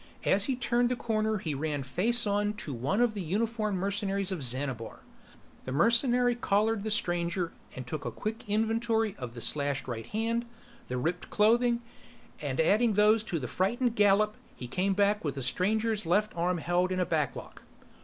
As he turned the corner he ran face on to one of the uniformed mercenaries of Xanabar. The mercenary collared the stranger and took a quick inventory of the slashed right hand, the ripped clothing, and adding those to the frightened gallop he came back with the stranger's left arm held in a backlock.